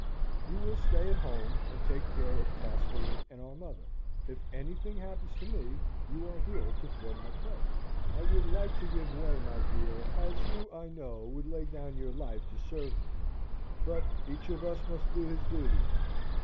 "You will stay at home, and take care of Castlewood and our mother. If anything happens to me, you are here to fill my place. I would like to give way, my dear, as you, I know, would lay down your life to serve me. But each of us must do his duty.